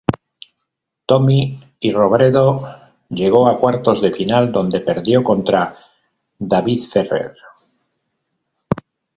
Tommy Robredo llegó a cuartos de final donde perdió contra David Ferrer.